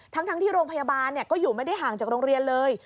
ทั้งที่โรงพยาบาลก็อยู่ไม่ได้ห่างจากโรงเรียนเลย